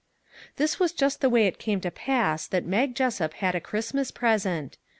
This was the way it came to pass that Mag Jessup had a Christmas present.